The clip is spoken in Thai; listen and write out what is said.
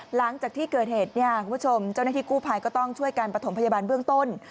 หลังจากที่เกิดเหตุเนี่ยคุณผู้ชมเจ้าหน้าที่กู้ภัยก็ต้องช่วยการประถมพยาบาลเบื้องต้น